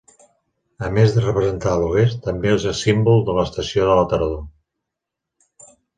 A més de representar a l'oest, també és símbol de l'estació de la tardor.